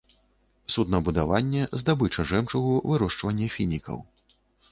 Суднабудаванне, здабыча жэмчугу, вырошчванне фінікаў.